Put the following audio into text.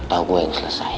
atau gue yang selesai